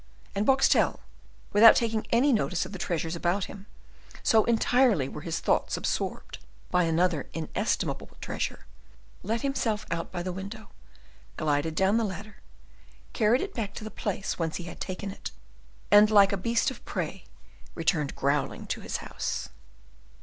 And Boxtel, without taking any notice of the treasures about him, so entirely were his thoughts absorbed by another inestimable treasure, let himself out by the window, glided down the ladder, carried it back to the place whence he had taken it, and, like a beast of prey, returned growling to his house.